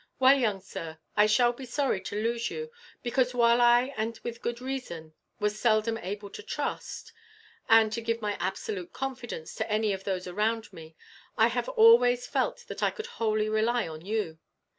"Well, young sir, I shall be sorry to lose you; because while I, and with good reason, was seldom able to trust, and to give my absolute confidence to any of those around me, I have always felt that I could wholly rely on you.